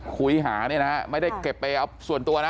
คุยหาเนี่ยนะฮะไม่ได้เก็บไปเอาส่วนตัวนะ